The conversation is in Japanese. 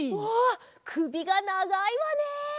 うわくびがながいわね！